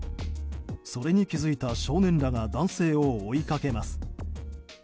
それに気づいた少年らが男性を追いかけます。